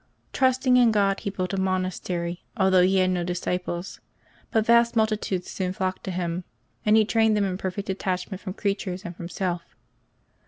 Trusting in God, he built a monastery, although he had no disciples; but vast multitudes soon flocked to him, and he trained them in perfect detachment from creatures and from self.